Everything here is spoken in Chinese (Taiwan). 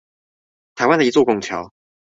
台灣的一座拱橋